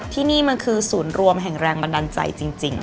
ที่นี่มันคือศูนย์รวมแห่งแรงบันดาลใจจริง